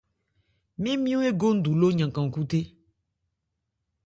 Mɛn nmyɔ̂n égo ńdu ló yankan-khúthé.